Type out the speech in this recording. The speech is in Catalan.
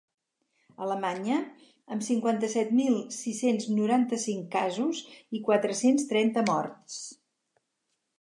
Alemanya, amb cinquanta-set mil sis-cents noranta-cinc casos i quatre-cents trenta morts.